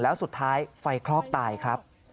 แล้วสุดท้ายไฟคลอกตายครับ